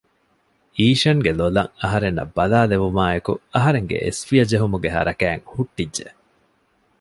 އީޝަންގެ ލޮލަށް އަހަރެންނަށް ބަލާލެވުމާއެކު އަހަރެންގެ އެސްފިޔަ ޖެހުމުގެ ހަރަކާތް ހުއްޓިއްޖެ